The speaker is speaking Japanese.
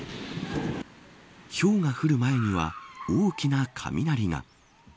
ひょうが降る前には大きな雷が。